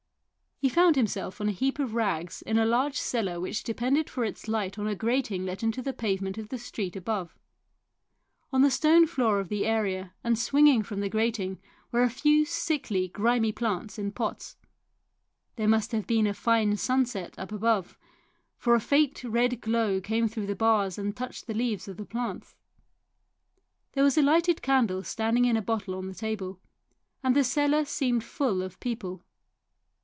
He found himself on a heap of rags in a 152 THE BIRD IN THE GARDEN large cellar which depended for its light on a grating let into the pavement of the street above. On the stone floor of the area and swinging from the grating were a few sickly, grimy plants in pots. There must have been a fine sunset up above, for a faint red glow came through the bars and touched the leaves of the plants. There was a lighted candle standing in a bottle on the table, and the cellar seemed full of people.